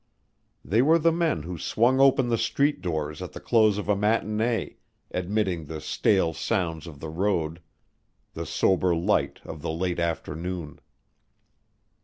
They were the men who swung open the street doors at the close of a matinee, admitting the stale sounds of the road, the sober light of the late afternoon.